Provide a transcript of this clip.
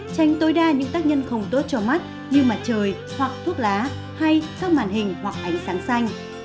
tránh tối đa những tác nhân không tốt cho mắt như mặt trời hoặc thuốc lá hay các màn hình hoặc ánh sáng xanh